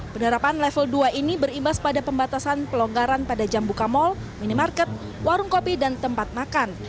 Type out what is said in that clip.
penerapan level dua ini berimbas pada pembatasan pelonggaran pada jam buka mal minimarket warung kopi dan tempat makan